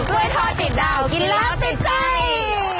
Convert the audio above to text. ทอดติดดาวกินแล้วติดใจ